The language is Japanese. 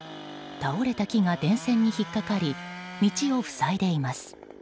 倒れた木が電線に引っかかり道を塞いでいます。